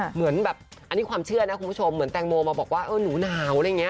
เหมือนแบบอันนี้ความเชื่อนะคุณผู้ชมเหมือนแตงโมมาบอกว่าเออหนูหนาวอะไรอย่างนี้